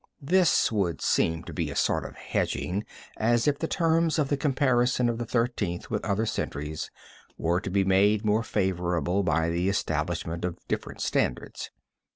This would seem to be a sort of hedging, as if the terms of the comparison of the Thirteenth with other centuries were to be made more favorable by the establishment of different standards.